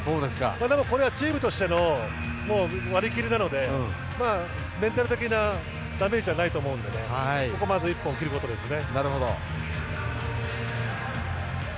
でも、これはチームとしての割り切りなのでメンタル的なダメージはないと思うのでここ、まず１本切ることですね。